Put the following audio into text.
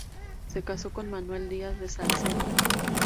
Se casó con Manuela Díaz de Salcedo.